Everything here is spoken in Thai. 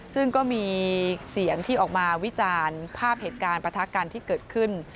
ซึ่งก็มีเสียงที่ออกมาวิจารณ์ภาพเหตุการณ์ประทะกันที่เกิดขึ้น